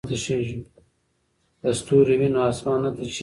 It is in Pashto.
که ستوري وي نو اسمان نه تشیږي.